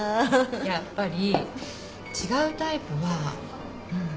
やっぱり違うタイプはうん。